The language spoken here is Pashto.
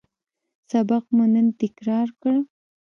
سبق مو نن تکرار کړ